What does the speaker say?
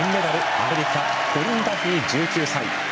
アメリカのコリン・ダフィー１９歳。